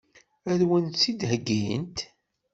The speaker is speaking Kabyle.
Ad wen-tt-id-heggint?